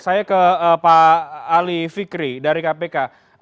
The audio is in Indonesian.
saya ke pak ali fikri dari kpk